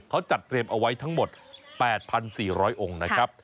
เขาจัดเตรียมเอาไว้ทั้งหมด๘๔๐๐องค์นะครับ